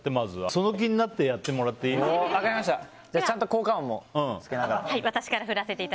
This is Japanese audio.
その気になってやってもらっていい？